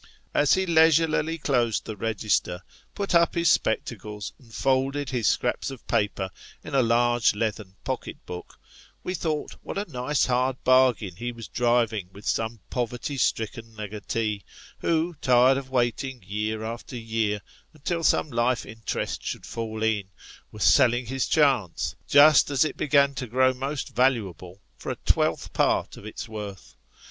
As he leisurely closed the register, put up his spectacles, and folded Wills. 67 his scraps of paper in a large leather pocket book, we thought what a nice hard bargain he was driving with some poverty stricken legatee, who, tired of waiting year after year, until some life interest should fall in, was selling his chance, just as it began to grow most valuable, for a twelfth part of its worth.